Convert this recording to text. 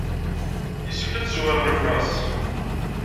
Yessefk ad teszewrem lexlaṣ.